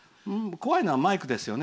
怖いのはマイクですよね。